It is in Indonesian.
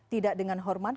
tidak dengan hormat